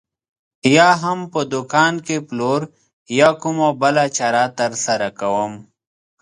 یا هم په دوکان کې پلور یا کومه بله چاره ترسره کوم.